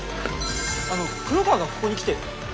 あの黒川がここに来て。